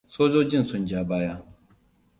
Sojojin sun ja baya.